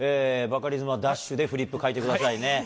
バカリズムはダッシュでフリップ書いてくださいね。